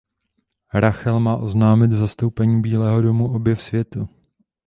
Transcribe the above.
Rachel má oznámit v zastoupení Bílého domu objev světu.